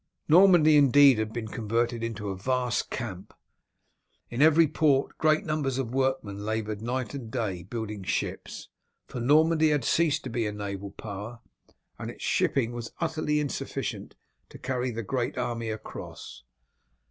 Normandy indeed had been converted into a vast camp. In every port great numbers of workmen laboured night and day building ships, for Normandy had ceased to be a naval power, and its shipping was utterly insufficient to carry the great army across.